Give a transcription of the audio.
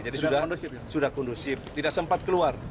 jadi sudah kondusif tidak sempat keluar